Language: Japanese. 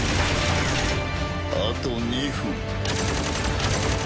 あと２分。